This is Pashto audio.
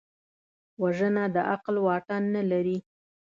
وژنه د عقل واټن نه لري